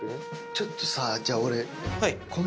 ちょっとさじゃあ俺。